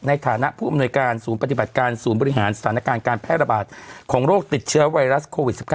ในฐานะผู้อำนวยการศูนย์ปฏิบัติการศูนย์บริหารสถานการณ์การแพร่ระบาดของโรคติดเชื้อไวรัสโควิด๑๙